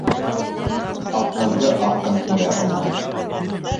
Апһынды апһын күрә алмай.